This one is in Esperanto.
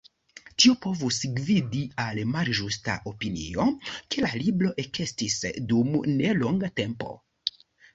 Tio povus gvidi al malĝusta opinio, ke la libro ekestis dum nelonga tempo.